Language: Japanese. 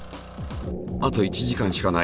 あと１時間しかない。